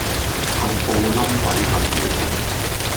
個布冧鬼咁好食